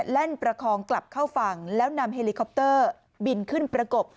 ลั่นประคองกลับเข้าฝั่งแล้วนำเฮลิคอปเตอร์บินขึ้นประกบ